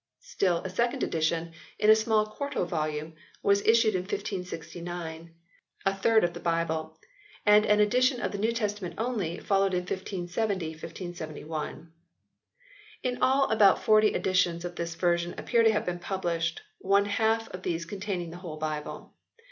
Still a second edition, in a small quarto volume, was issued in 1569, a third of the Bible, and an edition of the New Testament only, followed in 1570, 1571. In all about forty editions of this version appear to have been published, one half of these containing the whole Bible.